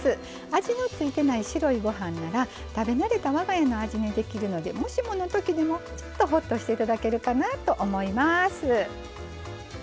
味の付いてない白いご飯なら食べ慣れた我が家の味にできるのでもしものときでもちょっとホッとしていただけるかなと思います。